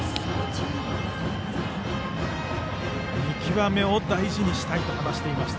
見極めを大事にしてほしいと話していました